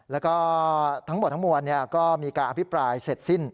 แล้วก็ทั้งหมดทั้งมวลก็มีการอภิปรายเสร็จสิ้น